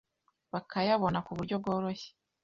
bakayabona ku buryo bworoshye,